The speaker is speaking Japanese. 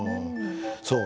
そう。